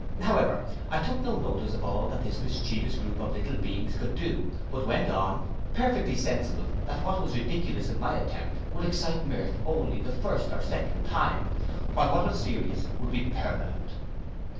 However I took no notice of all that this mischievous groupe of little beings could do; but went on, perfectly sensible that what was ridiculous in my attempt, would excite mirth only the first or second time, while what was serious would be permanent.